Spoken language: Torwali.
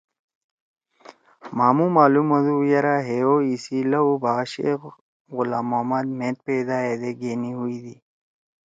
مھامُو معلوم ہؤدُو یرأ ہے او ایِسی لؤ بھا شیخ غلام محمد مھید پیدا ہیدے گھینی ہوئی دی